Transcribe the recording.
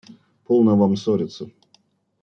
– Полно вам ссориться.